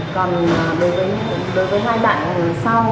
còn đối với hai bạn sau